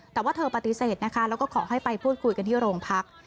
แต่ว่าเธอปฏิเสธนะคะแล้วก็ขอให้ไปพูดคุยกันที่โรงพัก